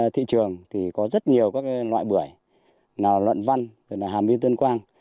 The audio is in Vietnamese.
thị trường có rất nhiều loại bưởi loạn văn hàm viên tân quan